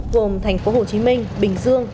gồm thành phố hồ chí minh bình dương